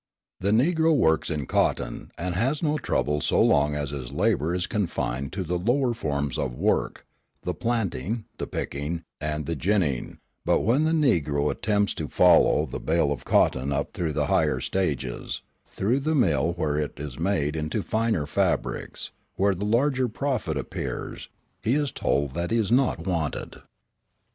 The Negro works in cotton, and has no trouble so long as his labour is confined to the lower forms of work, the planting, the picking, and the ginning; but, when the Negro attempts to follow the bale of cotton up through the higher stages, through the mill where it is made into the finer fabrics, where the larger profit appears, he is told that he is not wanted.